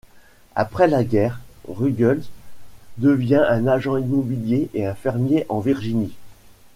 Après la guerre, Ruggles devient un agent immobilier et un fermier en Virginie.